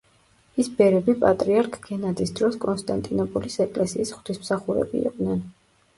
ის ბერები პატრიარქ გენადის დროს კონსტანტინოპოლის ეკლესიის ღვთისმსახურები იყვნენ.